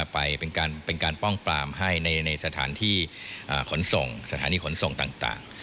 เป็นการป้องปรามให้ในสถานที่ขนส่งสถานีขนส่งต่าง